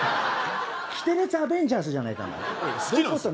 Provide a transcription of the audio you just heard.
キテレツアベンジャーズじゃねえか。